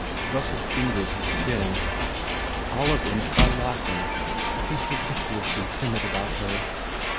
Russell fingered his chin. Olive ended by laughing, "He s ridiculously timid about her."